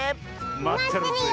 まってるぜえ。